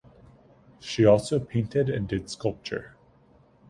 She also painted and did sculpture.